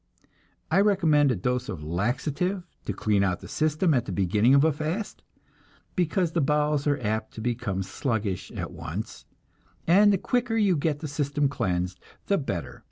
I recommend a dose of laxative to clean out the system at the beginning of a fast, because the bowels are apt to become sluggish at once, and the quicker you get the system cleansed, the better.